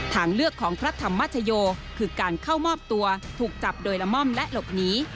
ทางเลือกของพระธรรมชโยคือการเข้ามอบตัวถูกจับโดยละม่อมและหลบหนี